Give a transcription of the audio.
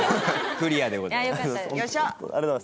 クリアでございます。